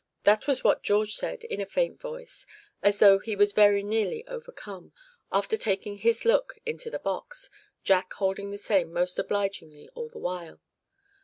That was what George said, in a faint voice, as though he was very nearly overcome, after taking his look into the box, Jack holding the same most obligingly all the while.